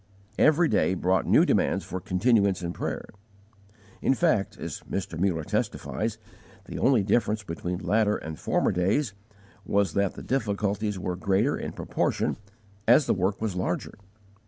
Every day brought new demands for continuance in prayer. In fact, as Mr. Muller testifies, the only difference between latter and former days was that the difficulties were greater in proportion as the work was larger.